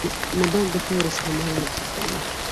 نبات د خاورې څخه مواد جذبوي